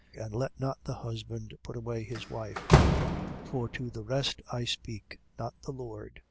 And let not the husband put away his wife. 7:12. For to the rest I speak, not the Lord.